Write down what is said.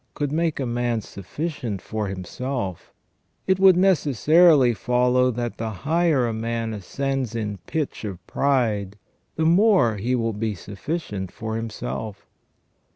could make a man sufficient for himself, it would necessarily follow that the higher a man ascends in pitch of pride the more he will be sufficient for himself.